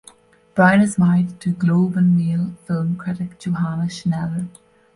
Brown is married to "Globe and Mail" film critic Johanna Schneller.